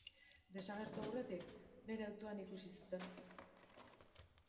Desagertu aurretik, bere autoan ikusi zuten.